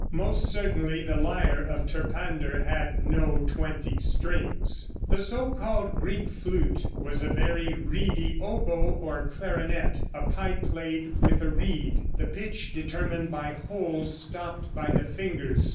Most certainly the lyre of Terpander had no twenty strings. The so called Greek flute was a very reedy oboe or clarinet, a pipe played with a reed, the pitch determined by holes stopped by the fingers.